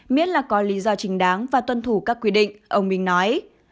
miết là có lý do chính đáng và tuân thủ các quy định ông bình nói